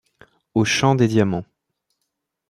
Aux champs des diamants.